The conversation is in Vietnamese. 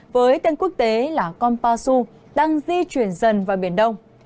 với tên quốc tế là kompasu đang di chuyển dần vào biển đông